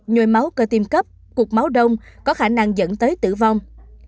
nhôi máu cơ tim cấp cuộc máu đông có khả năng dẫn tới tử vong